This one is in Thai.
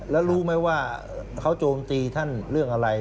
แล้วรู้ไหมว่าเขาโจมตีท่านเรื่องอะไร